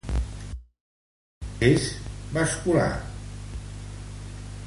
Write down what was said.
Accés Vascular.